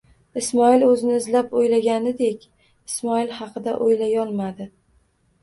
Ismoil o'zini izlab, o'ylaganidek Ismoil haqida o'ylayolmadi.